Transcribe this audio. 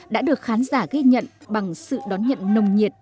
đã được khán giả ghi nhận bằng sự đón nhận nồng nhiệt